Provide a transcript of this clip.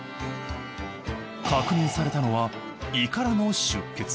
確認されたのは胃からの出血。